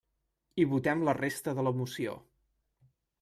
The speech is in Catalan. I votem la resta de la moció.